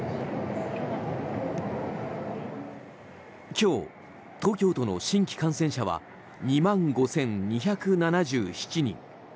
今日、東京都の新規感染者は２万５２７７人。